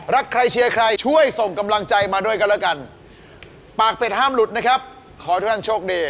รักใครเชียร์ใครช่วยส่งกำลังใจมาด้วยกันละกัน